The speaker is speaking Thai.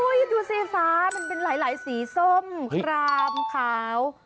อุ้ยดูสีฟ้ามันเป็นหลายสีส้มรามขาวม่วง